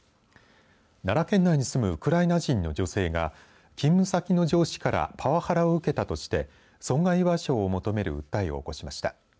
奈良県内に住むウクライナ人の女性が勤務先の上司からパワハラを受けたとして損害賠償を求める訴えを起こしました。